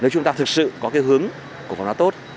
chúng ta thực sự có hướng cổ phần hóa tốt